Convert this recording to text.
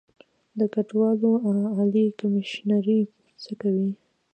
د کډوالو عالي کمیشنري څه کوي؟